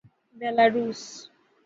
Belarus